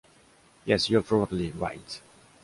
Yes, you’re probably right.